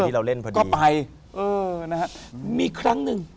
เออ